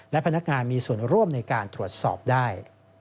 และพนักงานมีส่วนร่วมในการตรวจสอบได้